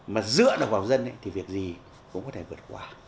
mà dựa được vào dân thì việc gì cũng có thể vượt qua